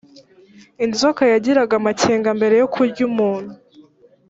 inzoka yagiraga amakenga mbere yokurya umuntu